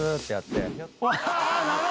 「なるほど！」